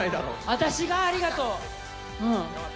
私がありがとう。